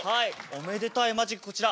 おめでたいマジックこちら。